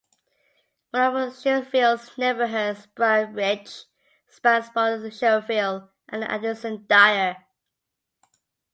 One of Schererville's neighborhoods, Briar Ridge, spans both Schererville and adjacent Dyer.